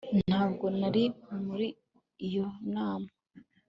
Ntabwo nari muri iyo nama